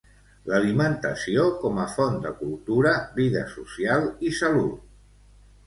L'alimentació com a font de cultura, vida social i salut.